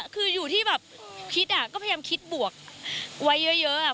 คืออยู่ที่แบบคิดอ่ะก็พยายามคิดบวกไว้เยอะอะ